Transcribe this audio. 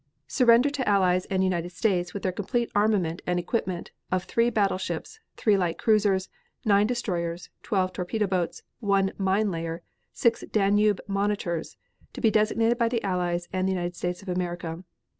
Surrender to Allies and United States with their complete armament and equipment of three battleships, three light cruisers, nine destroyers, twelve torpedo boats, one mine layer, six Danube monitors, to be designated by the Allies and United States of America.